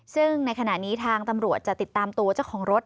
ซึ่งในขณะนี้ทางตำรวจจะติดตามตัวเจ้าของรถ